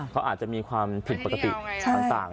เขาอาจจะมีความผิดปกติต่าง